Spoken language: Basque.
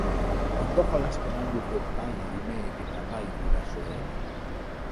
Ondo jolasten al dute bai umeek eta bai gurasoek?